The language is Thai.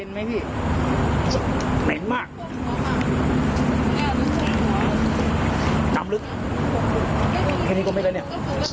เย็นไหมพี่แม่งมากตามลึกแค่นี้ก็ไม่ได้เนี่ย